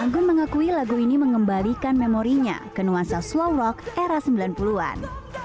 anggun mengakui lagu ini mengembalikan memorinya ke nuansa slow rock era sembilan puluh an